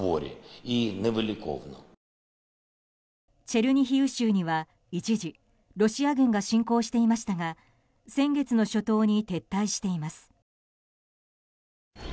チェルニヒウ州には一時ロシア軍が侵攻していましたが先月の初頭に撤退しています。